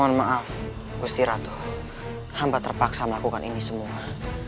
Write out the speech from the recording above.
amiratuh hamba terpaksa melakukan ini semua